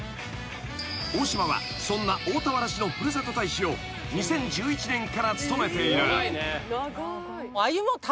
［大島はそんな大田原市のふるさと大使を２０１１年から務めている］